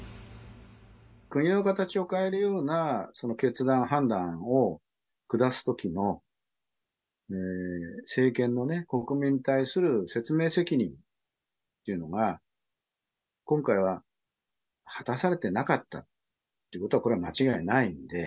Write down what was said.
国の形を変えるような決断、判断を下すときの政権の国民に対する説明責任っていうのが、今回は果たされてなかったということは、これは間違いはないので。